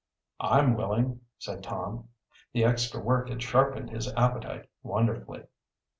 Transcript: "I'm willing," said Tom. The extra work had sharpened his appetite wonderfully.